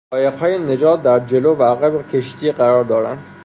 قایقهای نجات در جلو و عقب کشتی قرار دارند.